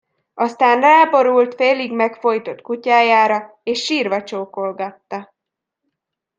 Aztán ráborult félig megfojtott kutyájára, és sírva csókolgatta.